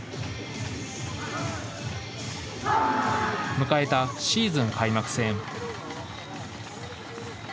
迎えたシーズン開幕戦。